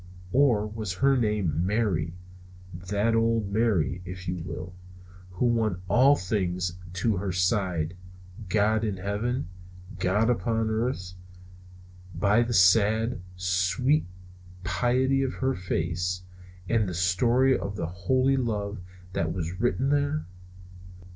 Or was her name Mary? "That other Mary," if you will, who won all things to her side, God in heaven, God upon earth, by the sad, sweet pity of her face, and the story of holy love that was written there?